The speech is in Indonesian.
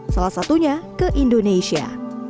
salah satunya ke indonesia